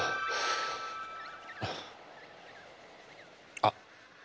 あっ。